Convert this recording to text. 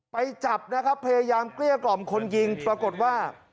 ไปจับนะครับพยายามเกลี้ยกล่อมคนยิงปรากฏว่า